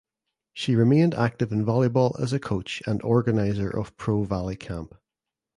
She remained active in volleyball as coach and organizer of Pro Volley camp.